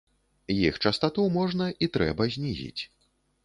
Іх частату можна і трэба знізіць.